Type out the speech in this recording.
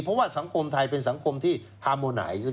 เพราะว่าสังคมไทยเป็นสังคมที่พาโมไนท์